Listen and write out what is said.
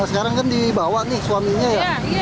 sekarang kan dibawa nih suaminya ya